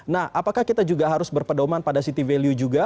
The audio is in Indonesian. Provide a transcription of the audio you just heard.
nah apakah kita juga harus berpedoman pada city value juga